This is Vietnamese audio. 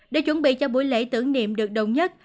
để chuẩn bị cho buổi lễ tưởng niệm được đồng nhất